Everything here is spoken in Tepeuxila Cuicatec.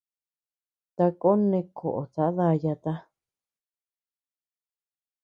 Takon neʼe koʼota dayata.